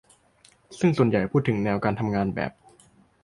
ซึ่งส่วนใหญ่พูดถึงแนวการทำงานแบบ